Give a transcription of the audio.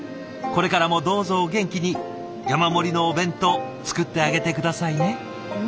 これからもどうぞお元気に山盛りのお弁当作ってあげて下さいね。